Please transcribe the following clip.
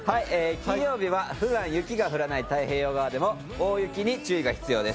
金曜日は普段、雪が降らない太平洋側でも大雪に注意が必要です。